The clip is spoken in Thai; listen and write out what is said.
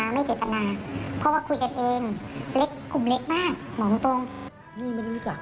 นี่ไม่รู้จัก